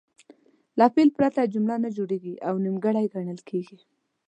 له فعل پرته جمله نه جوړیږي او نیمګړې ګڼل کیږي.